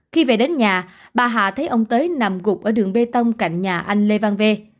khi về đến nhà bà hạ thấy ông tê nằm gục ở đường bê tông cạnh nhà anh lê văn vê